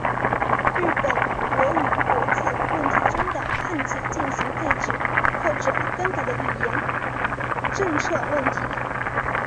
日本国语国字问题中的汉字进行废止或者更改的语言政策问题。